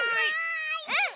うん！